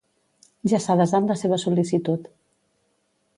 Ja s'ha desat la seva sol·licitud.